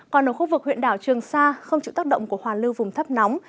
còn ở khu vực huyện đảo trường sa không chịu tác động của hoàn lưu vùng thấp nóng